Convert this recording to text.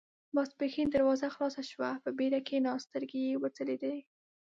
ماسپښين دروازه خلاصه شوه، په بېړه کېناست، سترګې يې وځلېدې.